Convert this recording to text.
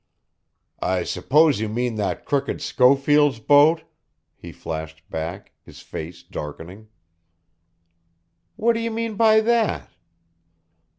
"I suppose you mean that crooked Schofield's boat?" he flashed back, his face darkening. "What do you mean by that?"